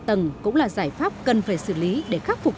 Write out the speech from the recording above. nằm ngay ở giải phân cách và gờ giảm tốc